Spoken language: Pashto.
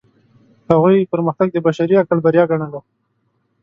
هغوی پرمختګ د بشري عقل بریا ګڼله.